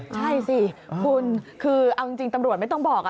ใช่สิคุณคือเอาจริงตำรวจไม่ต้องบอก